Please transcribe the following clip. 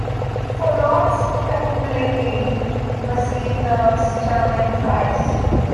For Lord's, Kaplicky received the Stirling Prize.